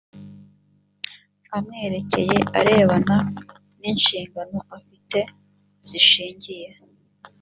amwerekeye arebana n inshingano afite zishingiye